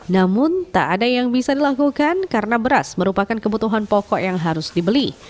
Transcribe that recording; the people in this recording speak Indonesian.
namun tak ada yang bisa dilakukan karena beras merupakan kebutuhan pokok yang harus dibeli